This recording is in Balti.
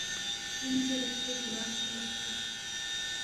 اِن زیرے کھوے دماغ پو لہ ہلتوس